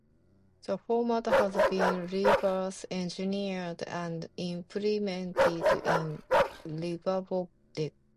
The format has been reverse engineered and implemented in libavcodec.